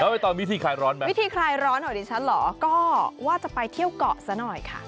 ไปตอนวิธีคลายร้อนไหมวิธีคลายร้อนของดิฉันเหรอก็ว่าจะไปเที่ยวเกาะซะหน่อยค่ะ